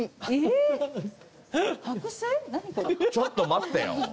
ちょっと待ってよ。